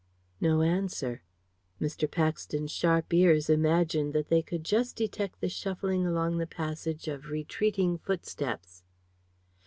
No answer. Mr. Paxton's sharp ears imagined that they could just detect the shuffling along the passage of retreating footsteps.